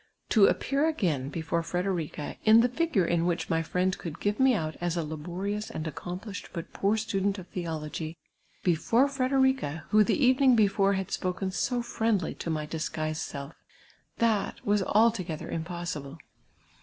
To ajipoar again before Frederica in tlie fii^ure in which my friend couhl give me out as a laborious and acc()m])Hshc(l but ])oor student of tlieolo^y, — before Frederica, Mho the evcninj? before liad spoken so friendly to my dis<;uised self. — that was altf)i;ether impossible.